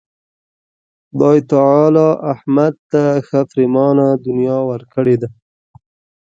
خدای تعالی احمد ته ښه پرېمانه دنیا ورکړې ده.